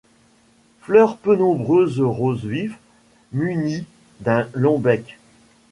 Fleurs peu nombreuses rose vif, munies d'un long bec.